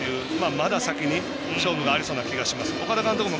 まだ先に勝負がありそうな気がします。